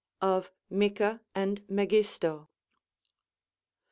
Of Micca and Merj'isto.